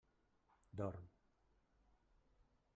Dorm.